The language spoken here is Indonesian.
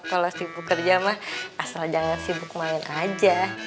kalau sibuk kerja mah asal jangan sibuk manget aja